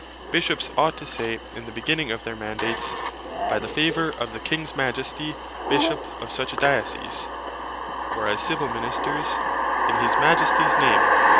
Bishops ought to say in the beginning of their Mandates, "By the favour of the Kings Majesty, Bishop of such a Diocesse;" or as Civill Ministers, "In his Majesties Name."